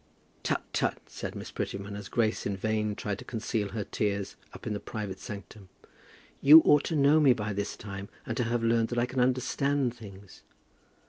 "Tut, tut," said Miss Prettyman as Grace in vain tried to conceal her tears up in the private sanctum. "You ought to know me by this time, and to have learned that I can understand things."